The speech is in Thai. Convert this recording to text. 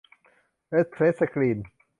เอ็กซ์เพรสสกรีน